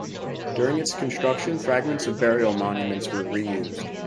During its construction, fragments of burial monuments were reused.